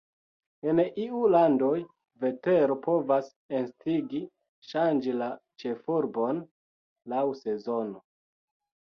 En iu landoj, vetero povas instigi ŝanĝi la ĉefurbon laŭ sezono.